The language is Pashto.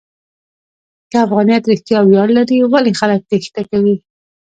که افغانیت رښتیا ویاړ لري، ولې خلک تېښته کوي؟